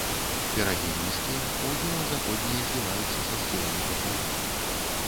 Берагі нізкія, паўднёва-заходнія зліваюцца са схіламі катлавіны.